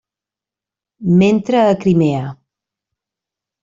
Mentre a Crimea.